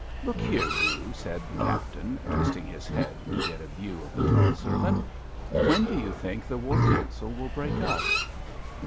"Look here, Grew," said the Captain, twisting his head to get a view of the tall servant. "When do you think the War Council will break up?"